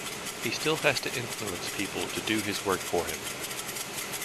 He still has to influence people to do his work for him.